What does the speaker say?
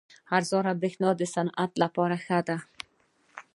ارزانه بریښنا د صنعت لپاره ښه ده.